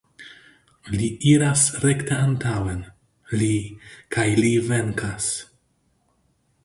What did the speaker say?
Li iras rekte antaŭen, li, kaj li venkas!